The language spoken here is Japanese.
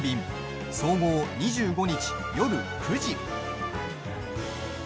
総合、２５日、夜９時。